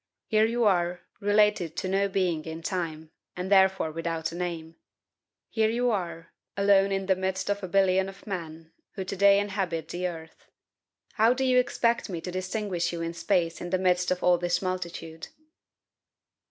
Here you are, related to no being in time, and therefore without a name; here you are, alone in the midst of a billion of men who to day inhabit the earth. How do you expect me to distinguish you in space in the midst of this multitude?"